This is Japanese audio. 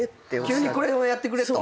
急にこれをやってくれと。